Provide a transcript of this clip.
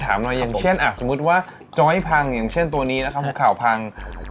ถามหน่อยอย่างเช่นก่อนสมมุติว่าเจ้ายพังแบบตรงนี้นะครับหัวขาวพังค่ะ